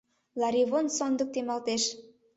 Ларивон сондык темалеш.